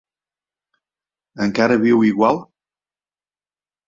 Encara viu igual?